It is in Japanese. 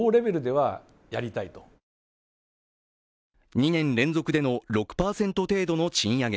２年連続での６％程度の賃上げ。